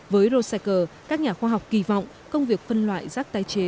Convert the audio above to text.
với rosecycle các nhà khoa học kỳ vọng công việc phân loại rác tái chế